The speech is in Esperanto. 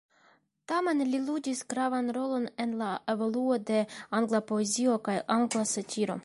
Tamen li ludis gravan rolon en la evoluo de angla poezio kaj angla satiro.